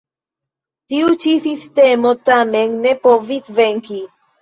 Tiu ĉi sistemo tamen ne povis venki.